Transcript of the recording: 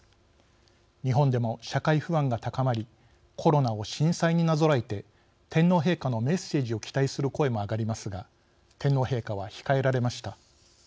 日本でも、社会不安が高まりコロナを震災になぞらえて天皇陛下のメッセージを期待する声も上がりますが天皇陛下は控えられました。